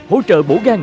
hỗ trợ bổ gan